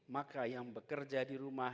maka yang bekerja di rumah